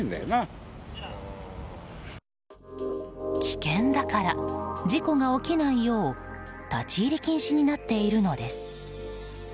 危険だから事故が起きないよう立ち入り禁止になっているのです。